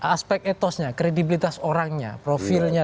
aspek etosnya kredibilitas orangnya profilnya